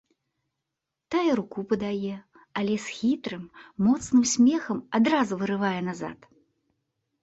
Тая руку падае, але з хітрым, моцным смехам адразу вырывае назад.